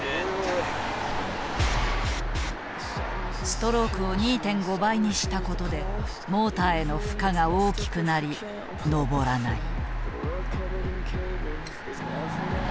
ストロークを２．５倍にしたことでモーターへの負荷が大きくなり登らない。